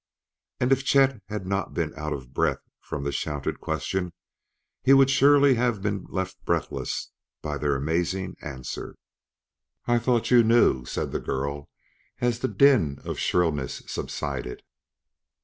And if Chet had not been out of breath from the shouted questions, he would surely have been left breathless by their amazing answer. "I thought you knew," said the girl as the din of shrillness subsided.